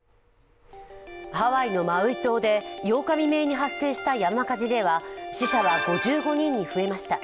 ハワイのマウイ島で８日未明に発生した山火事では死者は５５人に増えました。